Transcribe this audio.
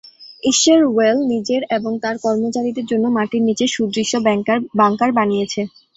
ইশ্যারওয়েল নিজের এবং তার কর্মচারীদের জন্য মাটির নিচে সুদৃশ্য বাংকার বানিয়েছে।